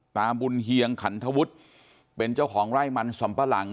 ต่ามวุลเฮียงขันทวุฒิ์เป็นเจ้าของไล้มันส่วมปะหลัง